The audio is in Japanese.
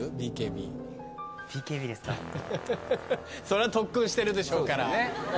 そりゃ特訓してるでしょうから。